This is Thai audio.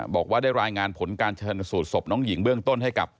บอกว่าได้รายงานผลการชนสูตรศพน้องหญิงเบื้องต้นให้กับ